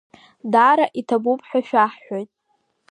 Даара иҭабуп ҳәа шәаҳҳәоит.